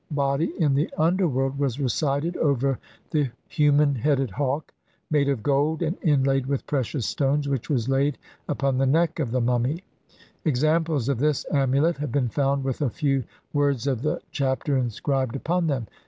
CLXI body in the underworld, was recited over the human headed hawk made of gold and inlaid with precious stones which was laid upon the neck of the mummy ; examples of this amulet have been found with a few words of the Chapter inscribed upon them.